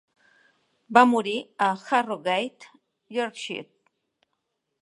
Va morir a Harrogate, Yorkshire.